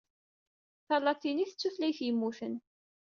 Talatinit d tutlayt yemmuten.